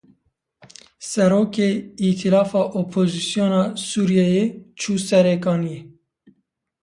Serokê îtilafa Opozisyona Sûriyeyê çû Serê Kaniyê.